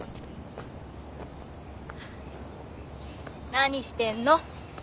何してんの？